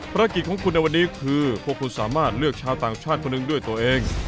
ภารกิจของคุณในวันนี้คือพวกคุณสามารถเลือกชาวต่างชาติคนหนึ่งด้วยตัวเอง